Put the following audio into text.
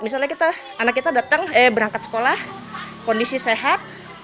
misalnya anak kita datang berangkat sekolah kondisi sehat